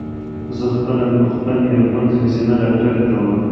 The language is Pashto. زه خپل مېرمن ښځېنه ډاکټري ته وړم